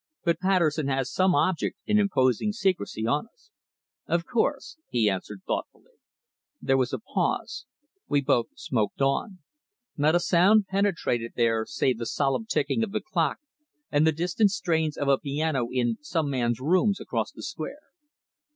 "But Patterson has some object in imposing secrecy on us." "Of course," he answered thoughtfully. There was a pause. We both smoked on. Not a sound penetrated there save the solemn ticking of the clock and the distant strains of a piano in some man's rooms across the square.